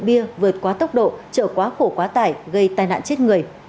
bia vượt quá tốc độ chở quá khổ quá tải gây tai nạn chết người